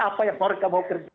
apa yang mereka mau kerja